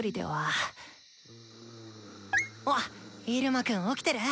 入間くん起きてる？